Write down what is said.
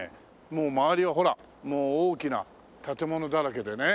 もう周りはほらもう大きな建物だらけでね